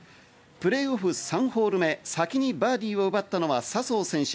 プレーオフ３ホール目、先にバーディーを奪ったのは笹生選手。